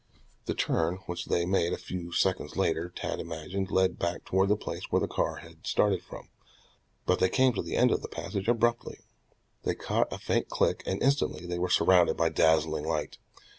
The turn which they made a few seconds later, Tad imagined, led back toward the place where the car had started from. But they came to the end of the passage abruptly. They caught a faint click, and instantly they were surrounded by dazzling light.